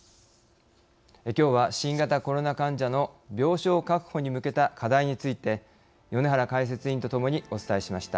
きょうは新型コロナ患者の病床確保に向けた課題について米原解説委員とともにお伝えしました。